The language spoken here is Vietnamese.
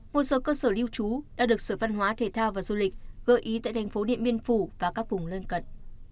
một số cơ sở lưu trú đã được sở văn hóa thể thao và du lịch gợi ý tại thành phố điện biên phủ và các vùng lân cận